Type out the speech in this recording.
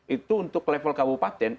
itu untuk level kabupaten